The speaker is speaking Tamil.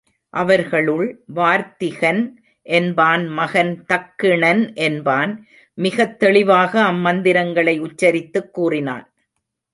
அவர்களுள் வார்த்திகன் என்பான் மகன் தக்கிணன் என்பான் மிகத் தெளிவாக அம் மந்திரங்களை உச்சரித்துக் கூறினான்.